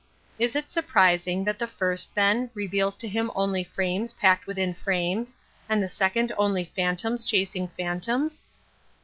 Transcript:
Is it surprising that the first, then, reveals to him only frames , packed within frames, and the second only phantoms chasing phantoms?